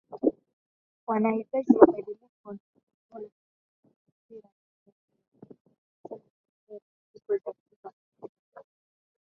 Wanahitaji mabadiliko na wanatuona sisi kuwa taswira ya mabadiliko amesema Chakwera alipozungumza na shirika